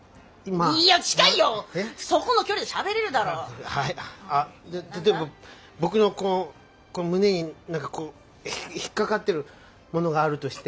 じゃあ例えば僕のこの胸に何かこう引っかかってるものがあるとして。